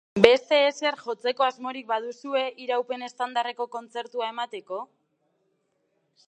Beste ezer jotzeko asmorik baduzue, iraupen estandarreko kontzertua emateko?